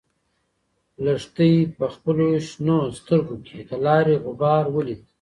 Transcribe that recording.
لښتې په خپلو شنه سترګو کې د لارې غبار ولید.